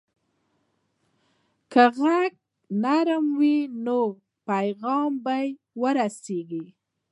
که غږ نرم وي، نو پیغام به ورسیږي.